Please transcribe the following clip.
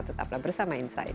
tetaplah bersama insight